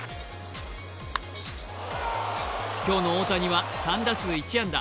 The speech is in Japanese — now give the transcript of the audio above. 今日の大谷は３打数１安打。